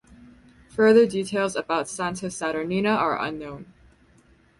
Further details about "Santa Saturnina" are unknown.